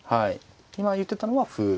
今言ってたのは歩。